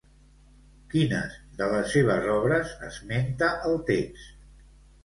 Quines de les seves obres esmenta el text?